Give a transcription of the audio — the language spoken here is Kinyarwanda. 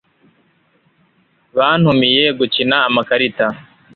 bantumiye gukina amakarita